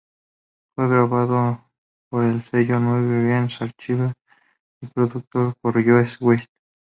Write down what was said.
Fue grabado por el sello New Red Archives, y producido por Joe West.